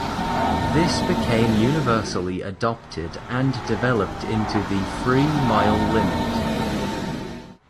This became universally adopted and developed into the three-mile limit.